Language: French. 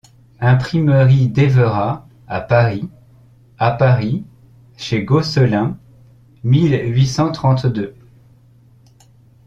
Imprimerie d’Éverat, à Paris. — À Paris, chez Gosselin, mille huit cent trente-deux.